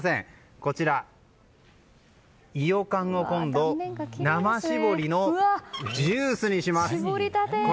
こちら、イヨカンを今度、生搾りのジュースにします。